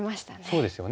そうですよね。